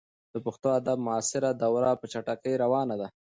د پښتو ادب معاصره دوره په چټکۍ روانه ده.